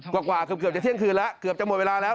กว่าเกือบจะเที่ยงคืนแล้วเกือบจะหมดเวลาแล้ว